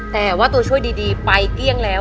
แต่ว่าตัวช่วยดีไปเกลี้ยงแล้ว